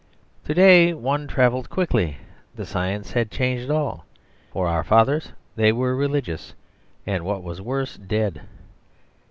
To day one travelled quickly. The science had changed all. For our fathers, they were religious, and (what was worse) dead.